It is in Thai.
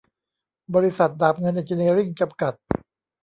บริษัท ดาบเงินเอ็นจิเนียริ่ง จำกัด